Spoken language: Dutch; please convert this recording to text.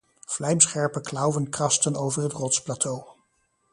Vlijmscherpe klauwen krasten over het rotsplateau.